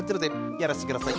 やらせてください。